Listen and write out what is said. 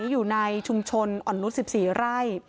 อยู่ในชุมชนอ่อนนุษย์๑๔ไร่